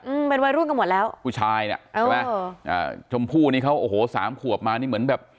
อืมเป็นวัยรุ่นกันหมดแล้วผู้ชายน่ะเออใช่ไหมเอออ่าชมพู่นี่เขาโอ้โหสามขวบมานี่เหมือนแบบ